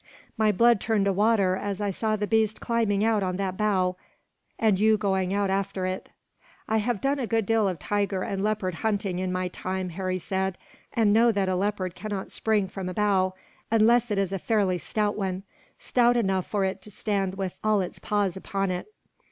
My blood turned to water, as I saw the beast climbing out on that bough, and you going out after it." "I have done a good deal of tiger and leopard hunting, in my time," Harry said, "and know that a leopard cannot spring from a bough, unless it is a fairly stout one stout enough for it to stand with all its paws upon it.